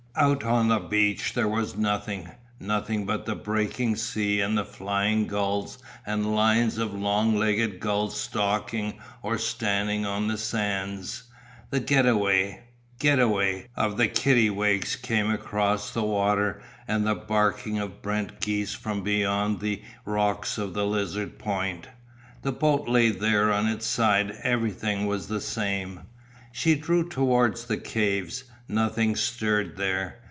Out on the beach there was nothing, nothing but the breaking sea and the flying gulls and lines of long legged gulls stalking or standing on the sands, the 'get away get away' of the kittiwakes came across the water and the barking of brent geese from beyond the rocks of the Lizard Point. The boat lay there on its side, everything was the same. She drew towards the caves. Nothing stirred there.